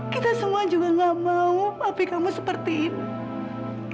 kita semua juga gak mau api kamu seperti ini